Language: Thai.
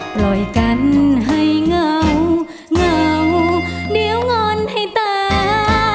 ปล่อยกันให้เงาเหงาเดี๋ยวงอนให้ตา